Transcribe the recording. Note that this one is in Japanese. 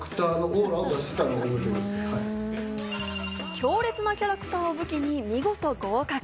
強烈なキャラクターを武器に見事合格。